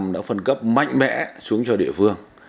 đã phân cấp mạnh mẽ xuống cho địa phương